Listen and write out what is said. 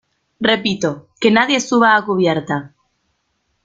repito, que nadie suba a cubierta.